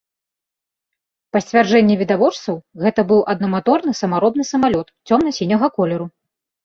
Па сцвярджэнні відавочцаў, гэта быў аднаматорны самаробны самалёт цёмна-сіняга колеру.